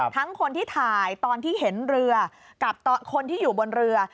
คนที่ถ่ายตอนที่เห็นเรือกับคนที่อยู่บนเรือ